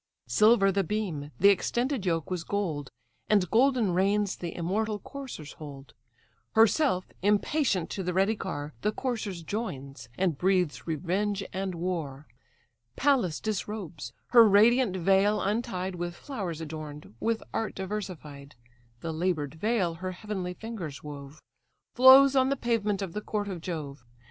Silver the beam, the extended yoke was gold, And golden reins the immortal coursers hold. Herself, impatient, to the ready car, The coursers joins, and breathes revenge and war. Pallas disrobes; her radiant veil untied, With flowers adorn'd, with art diversified, (The laboured veil her heavenly fingers wove,) Flows on the pavement of the court of Jove.